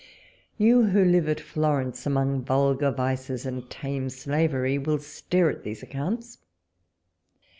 " You, who live at Florence among vulgar vices and tame slavery, will stare at these accounts.